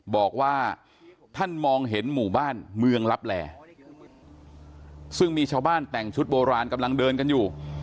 บอกว่าท่านมองเห็นหมู่บ้านเมืองลับแหลซึ่งมีชาวบ้านแต่งชุดโบราณกำลังเดินกันอยู่